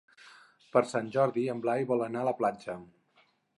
Per Sant Jordi en Blai vol anar a la platja.